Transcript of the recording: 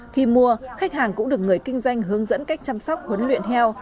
khi mua khách hàng cũng được người kinh doanh hướng dẫn cách chăm sóc huấn luyện heo